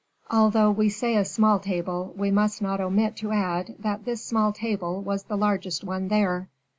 Although we say a small table, we must not omit to add that this small table was the largest one there.